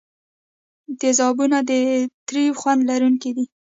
تیزابونه د تریو خوند لرونکي دي.